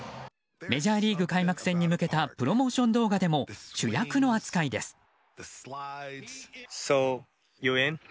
メジャーリーグ開幕戦に向けたプロモーション動画でも主役の扱いです。